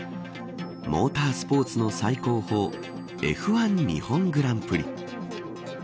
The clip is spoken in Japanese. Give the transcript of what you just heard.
モータースポーツの最高峰Ｆ１日本グランプリ。